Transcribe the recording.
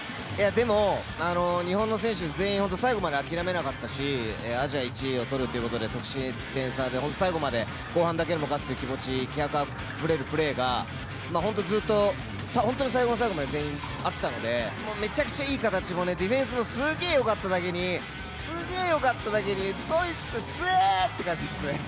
でも、日本の選手全員、本当、最後まで諦めなかったし、アジア１位をとるっていうことで得失点差で、最後まで後半だけでも勝つという気持ち、気迫あふれるプレーが本当、ずっと、本当に最後の最後まで全員あったので、めちゃくちゃいい方もね、ディフェンスも、すげーよかっただけに、すげーよかっただけに、ドイツつえーって感じですね。